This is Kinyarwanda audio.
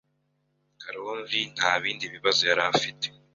Karoli nta bindi bibazo yari afite.